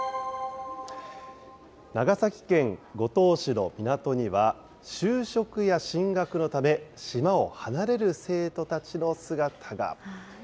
長崎県五島市の港には、就職や進学のため島を離れる生徒たちの姿が。